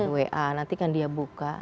wa nanti kan dia buka